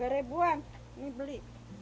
rp dua an ini beli